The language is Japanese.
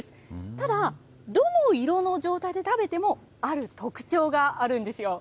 ただ、どの色の状態で食べてもある特徴があるんですよ。